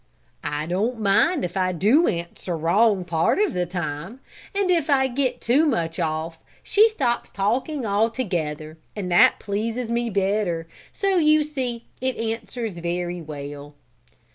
"I don't mind if I do answer wrong part of the time, and if I get too much off she stops talking altogether and that pleases me better, so you see it answers very well."